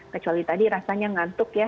kecuali tadi rasanya ngantuk ya